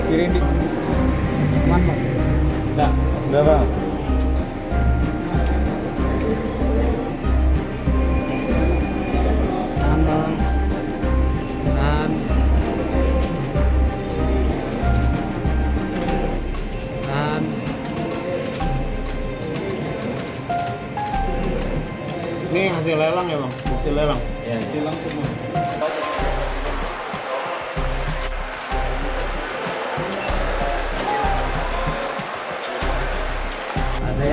ini hasil lelang ya